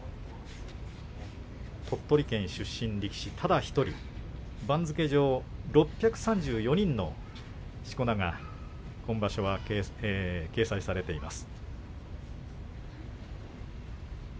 鳥取県出身力士ただ１人番付上、６３４人のしこ名が今場所は掲載されています。